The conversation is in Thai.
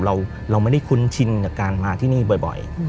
เราไม่ได้คุ้นชินกับการมาที่นี่บ่อย